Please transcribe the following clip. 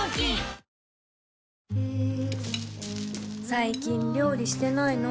最近料理してないの？